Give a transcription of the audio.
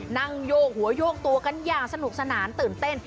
นั่งโยกหัวโยกตัวกันอย่างสนุกสนานตื่นเต้น